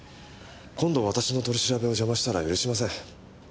今度私の取り調べを邪魔したら許しません。